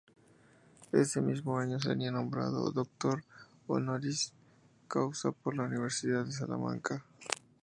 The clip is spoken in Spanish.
Ese mismo año sería nombrado doctor honoris causa por la Universidad de Salamanca.